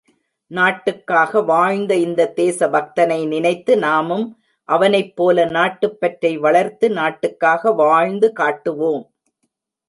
நாட்டுக்காக வாழ்ந்த இந்த தேசபக்தனை நினைத்து நாமும் அவனைப் போல நாட்டுப் பற்றை வளர்த்து நாட்டுக்காக வாழ்ந்து காட்டுவோம்!